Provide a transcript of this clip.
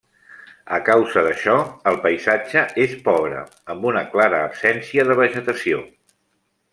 A causa d'això, el paisatge és pobre, amb una clara absència de vegetació.